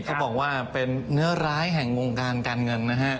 เขาบอกว่าเป็นเนื้อร้ายแห่งวงการการเงินนะฮะ